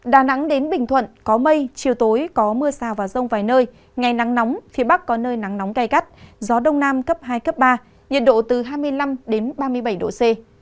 đà nẵng đến bình thuận có mây chiều tối có mưa rào và rông vài nơi ngày nắng nóng phía bắc có nơi nắng nóng gai gắt gió đông nam cấp hai cấp ba nhiệt độ từ hai mươi năm ba mươi bảy độ c